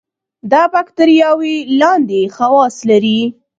دا باکتریاوې لاندې خواص لري.